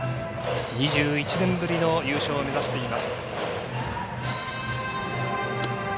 ２１年ぶりの優勝を目指しています。